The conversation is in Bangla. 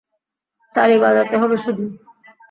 তালি বাজাতে হবে শুধু।